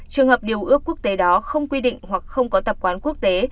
trường hợp điều ước quốc tế đó không quy định hoặc không có tập quán quốc tế